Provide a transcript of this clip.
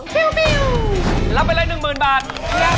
ปิ้วปิ้วรับไปได้รายหนึ่งหมื่นบาทเคี้ย